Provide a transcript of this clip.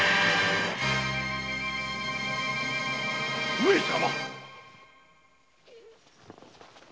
上様！？